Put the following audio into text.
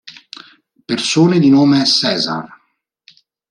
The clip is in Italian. Persone di nome César